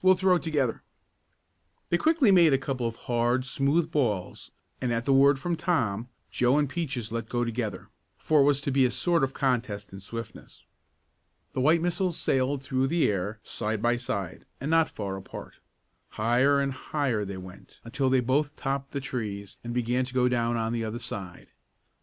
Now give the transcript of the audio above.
"We'll throw together." They quickly made a couple of hard, smooth balls, and at the word from Tom, Joe and Peaches let go together, for it was to be a sort of contest in swiftness. The white missiles sailed through the air side by side, and not far apart. Higher and higher they went, until they both topped the trees, and began to go down on the other side.